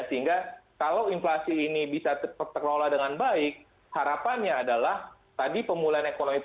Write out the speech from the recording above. sehingga kalau inflasi ini bisa terkelola dengan baik harapannya adalah tadi pemulihan ekonomi